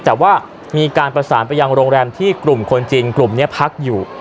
แต่ว่ามีการประสานไปยังโรงแรมที่กลุ่มคนจีนกลุ่มนี้พักอยู่